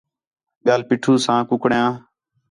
ٻِیال پیٹھو ساں ککرایان